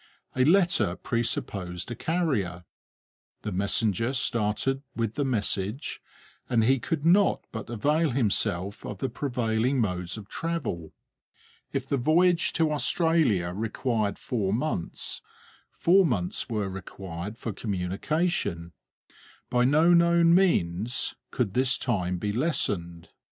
A letter presupposed a carrier. The messenger started with the message, and he could not but avail himself of the prevailing modes of travel. If the voyage to Australia required four months, four months were required for communication; by no known means could this time be lessened.